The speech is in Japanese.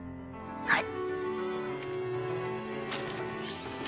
はい。